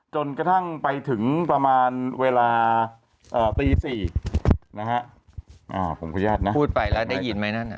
จนกระทั่งไปถึงประมาณเวลาตี๔นะฮะผมขออนุญาตนะพูดไปแล้วได้ยินไหมนั่นอ่ะ